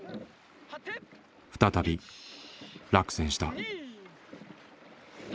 再び落選した。